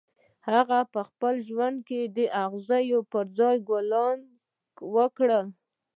هغه په خپل ژوند کې د اغزیو پر ځای ګلان وکرل